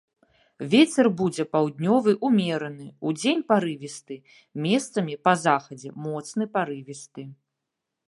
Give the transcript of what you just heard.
Вецер будзе паўднёвы ўмераны, удзень парывісты, месцамі па захадзе моцны парывісты.